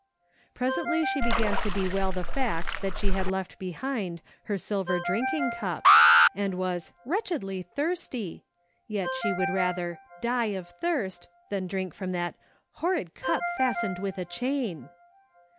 Presently she began to bewail the fact that she had left behind her silver drinking cup, and was " wretchedly thirsty," yet she would rather " die of thirst" than drink from that " horrid cup fastened with a chain."